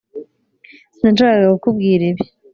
sinashakaga kukubwira ibi.